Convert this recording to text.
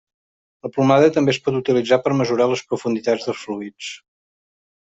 La plomada també es pot utilitzar per mesurar les profunditats dels fluids.